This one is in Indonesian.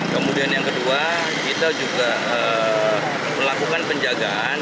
kemudian yang kedua kita juga melakukan penjagaan